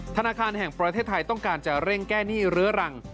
ธนาคารแห่งประเทศไทยต้องการจะเร่งแก้หนี้เรื้อรัง